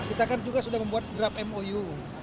kita kan juga sudah membuat draft mou